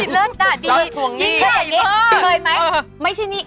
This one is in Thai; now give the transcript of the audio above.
เราจะทวงหนี้